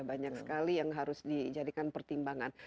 banyak sekali yang harus dijadikan pertimbangan